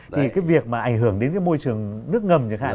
thì cái việc mà ảnh hưởng đến cái môi trường nước ngầm chẳng hạn